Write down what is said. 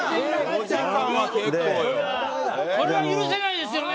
それは許せないですよね。